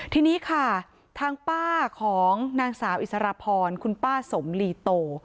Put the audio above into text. ทีนี้ค่ะทางป้าของนางสาวอิสรพรคุณป้าสมลีโต